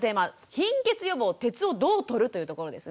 貧血予防鉄をどうとるというところですね。